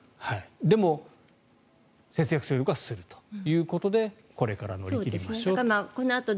でも、節約するところはするということでこれから乗り切りましょうと。